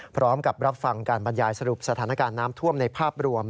พร้อมกับรับฟังการบรรยายสรุปสถานการณ์น้ำท่วมในภาพรวม